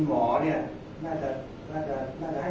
แต่ว่าไม่มีปรากฏว่าถ้าเกิดคนให้ยาที่๓๑